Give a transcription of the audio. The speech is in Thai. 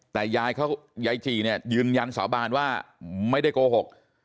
แต่ยายจียืนยันสาบานว่าไม่ได้โกหก